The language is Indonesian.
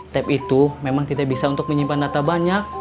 tap itu memang tidak bisa untuk menyimpan data banyak